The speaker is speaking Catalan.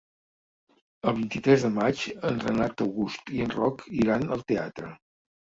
El vint-i-tres de maig en Renat August i en Roc iran al teatre.